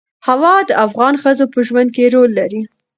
هوا د افغان ښځو په ژوند کې رول لري.